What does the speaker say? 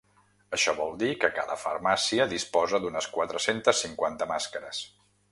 Això vol dir que cada farmàcia disposa d’unes quatre-cents cinquanta màscares.